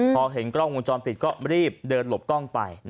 พอเห็นกล้องวงจรปิดก็รีบเดินหลบกล้องไป